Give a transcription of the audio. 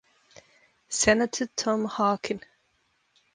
Senator Tom Harkin.